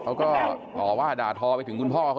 เขาก็ต่อว่าด่าทอไปถึงคุณพ่อเขา